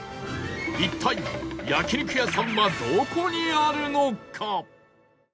一体焼肉屋さんはどこにあるのか？